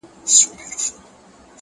• د خپلي مور پوړنی وړي د نن ورځي غازیان,